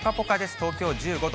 東京１５度。